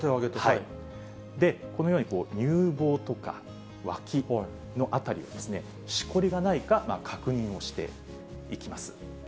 で、このように、乳房とか、わきの辺りを、しこりがないか確認をしていきます。